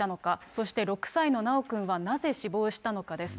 そして６歳の修くんはなぜ死亡したのかです。